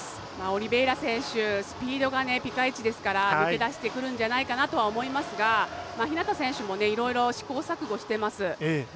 オリベイラ選手スピードが、ピカイチですから抜け出してくるんじゃないかなとは思いますが日向選手もいろいろ試行錯誤してます。